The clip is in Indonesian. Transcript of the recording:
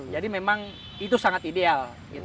jadi memang itu sangat ideal